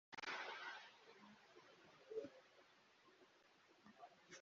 Mu gihe muri Afrika y’epfo hasanzwe haherereye abanyarwanda benshi bakora muzika